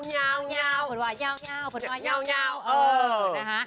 เง้า